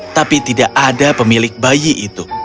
tapi tidak ada pemilik bayi itu